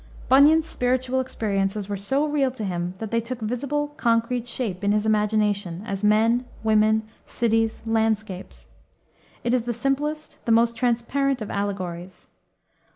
Bunyan's spiritual experiences were so real to him that they took visible concrete shape in his imagination as men, women, cities, landscapes. It is the simplest, the most transparent of allegories.